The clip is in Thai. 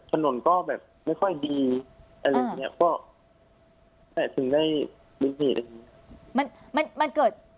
ถนนก็แบบไม่ค่อยดีอะไรแบบเนี้ยก็แบบถึงได้มันมันเกิด